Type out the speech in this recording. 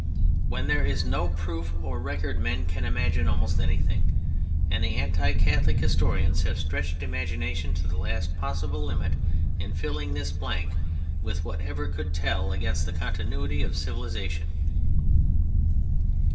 When there is no proof or record men can imagine almost anything, and the anti Catholic historians have stretched imagination to the last possible limit in filling this blank with whatever could tell against the continuity of civilization.